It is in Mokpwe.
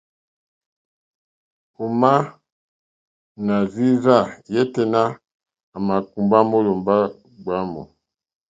Ò má nà rzí rzâ yêténá à mà kùmbá mólòmbá gbǎmù.